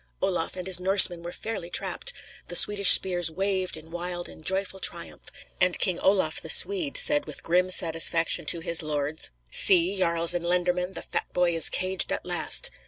Olaf and his Norsemen were fairly trapped; the Swedish spears waved in wild and joyful triumph, and King Olaf, the Swede, said with grim satisfaction to his lords: "See, jarls and lendermen, the Fat Boy is caged at last!"